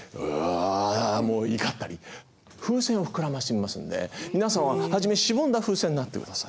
風船を膨らませてみますんで皆さんは初めしぼんだ風船になって下さい。